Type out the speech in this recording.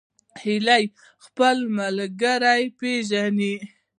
هیلۍ خپل ملګري پیژني